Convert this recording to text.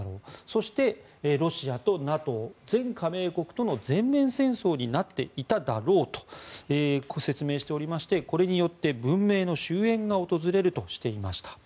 そして、ロシアとＮＡＴＯ全加盟国との全面戦争になっていただろうと説明しておりましてこれによって文明の終焉が訪れるとしていました。